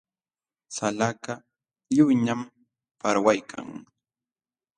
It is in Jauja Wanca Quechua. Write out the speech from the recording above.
Salakaq lliwñam parwaykan.